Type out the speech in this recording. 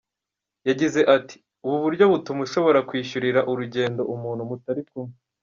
Yagize ati “Ubu buryo butuma ushobora kwishyurira urugendo umuntu mutari kumwe.